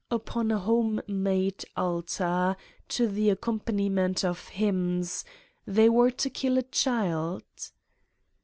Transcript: upon a home made altar, to the accom paniment of hymns, they were to kill a child.